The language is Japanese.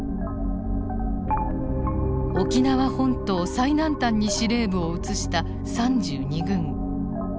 沖縄本島最南端に司令部を移した３２軍。